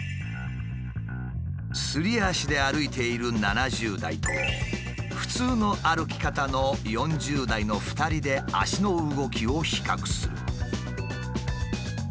すり足で歩いている７０代と普通の歩き方の４０代の２人で足の動きを比較する。